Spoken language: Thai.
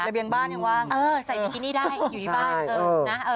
ระเบียงบ้านอยู่บ้างเออใส่วิกินี่ได้อยู่ที่บ้านเออเออ